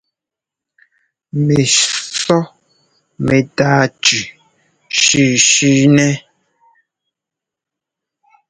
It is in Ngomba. Mɛcʉɔ mɛ́táa tʉ shʉ̌shʉ̌ nɛ́.